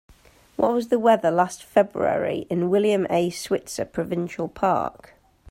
What was the weather last February in William A. Switzer Provincial Park?